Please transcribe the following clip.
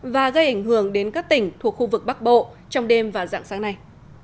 và gây ảnh hưởng đến các tỉnh thuộc khu vực bắc bộ trong đêm và dạng sáng nay